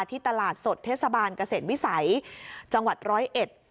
ที่ตลาดสดเทศบาลเกษตรวิสัยจังหวัดร้อยเอ็ด